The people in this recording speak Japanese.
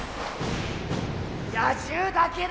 野獣だけだ！